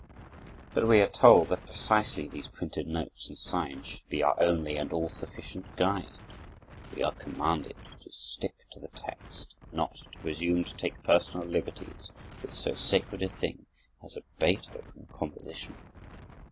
But we are told that precisely these printed notes and signs should be our only and all sufficient guide. We are commanded to stick to the text and not to presume to take personal liberties with so sacred a thing as a Beethoven composition.